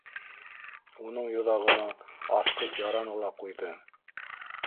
Уның йоҙағына асҡыс яраны ла ҡуйҙы!